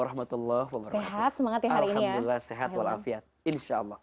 alhamdulillah sehat walafiat